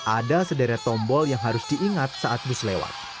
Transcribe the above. ada sederet tombol yang harus diingat saat bus lewat